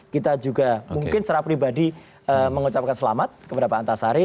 kita juga mungkin secara pribadi mengucapkan selamat kepada pak antasari